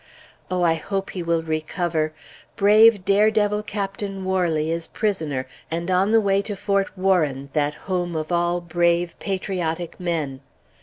Oh! I hope he will recover. Brave, dare devil Captain Warley is prisoner, and on the way to Fort Warren, that home of all brave, patriotic men.